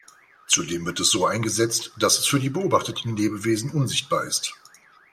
Zudem wird es so eingesetzt, dass es für die beobachteten Lebewesen unsichtbar ist.